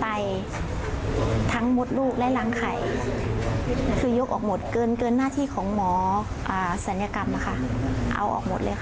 ไตทั้งมดลูกและรังไข่คือยกออกหมดเกินหน้าที่ของหมอศัลยกรรมนะคะเอาออกหมดเลยค่ะ